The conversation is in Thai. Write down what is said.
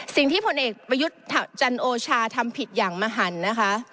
สิ่งที่ผลเอกประยุทธจันทร์โอชาทำผิดอย่างมหันนะคะ